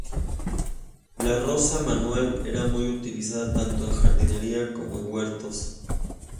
La roza manual era muy utilizada tanto en jardinería como en huertos.